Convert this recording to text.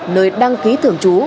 nơi đăng ký thường trú